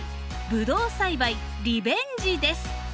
ブドウ栽培リベンジです。